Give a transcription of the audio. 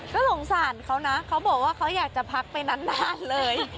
ก็สงสารเขานะเขาบอกว่าเขาอยากจะพักไปนานเลย